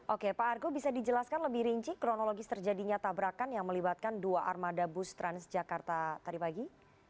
oke pak argo bisa dijelaskan lebih rinci kronologis terjadinya tabrakan yang melibatkan dua armada bus transjakarta tadi pagi